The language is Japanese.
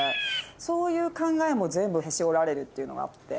そういう考えも全部へし折られるっていうのがあって。